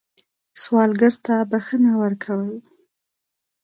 سوالګر ته بښنه ورکوئ